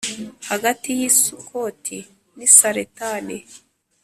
hagati y’i Sukoti n’i Saretani